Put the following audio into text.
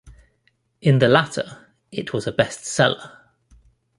In the latter, it was a best-seller.